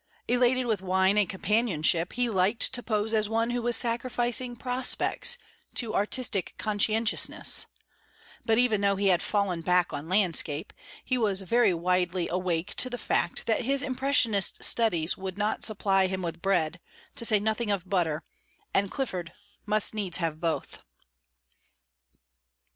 Elated with wine and companionship, he liked to pose as one who was sacrificing "prospects" to artistic conscientiousness; but, even though he had "fallen back" on landscape, he was very widely awake to the fact that his impressionist studies would not supply him with bread, to say nothing of butter and Clifford must needs have both.